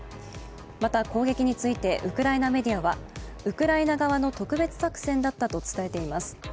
また攻撃についてウクライナメディアはウクライナ側の特別作戦だったと伝えています。